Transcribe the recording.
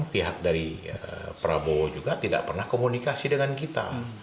pihak dari prabowo juga tidak pernah komunikasi dengan kita